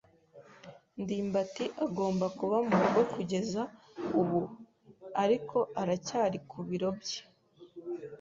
ndimbati agomba kuba murugo kugeza ubu, ariko aracyari ku biro bye.